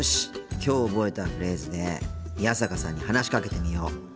きょう覚えたフレーズで宮坂さんに話しかけてみよう。